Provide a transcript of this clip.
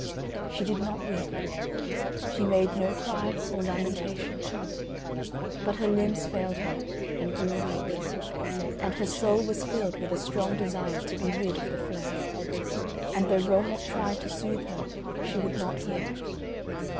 She did not weep: she made no cry or lamentation, but her limbs failed her and grew weak, and her soul was filled with a strong desire to be rid of the flesh, and though Rohalt tried to soothe her she would not hear.